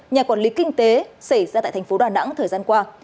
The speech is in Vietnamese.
nhà quản lý kinh tế xảy ra tại thành phố đà nẵng thời gian qua